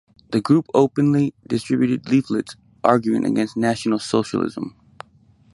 The group openly distributed leaflets arguing against National Socialism.